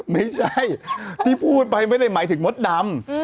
ไม่ใช่ที่พูดไปไม่ได้หมายถึงมดดำ